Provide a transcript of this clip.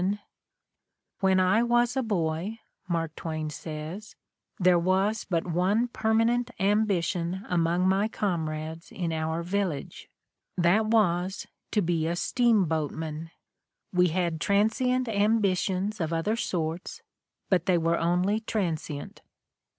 "When I was a boy, '' Mark Twain says, '' there was but one permanent ambition among my comrades in our village. That was, to be a steamboatman. We had transient ambitions of other sorts, but they were only transient."